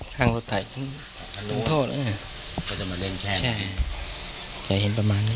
ข้างรถไถต้นโทษนะฮะก็จะมาเล่นแค่ใช่จะเห็นประมาณนี้